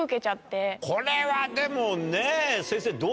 これはでもね先生。